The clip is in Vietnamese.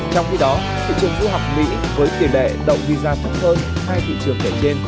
trong khi đó thị trường du học mỹ với tỷ lệ động visa thấp hơn hai thị trường kể trên